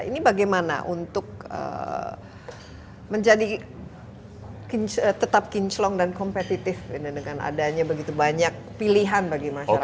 ini bagaimana untuk menjadi tetap kinclong dan kompetitif dengan adanya begitu banyak pilihan bagi masyarakat